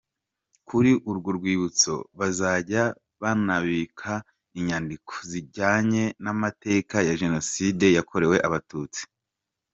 Kuri urwo rwibutso bazajya banabika inyandiko zijyanye n’amateka ya Jenoside yakorewe Abatutsi “archives”.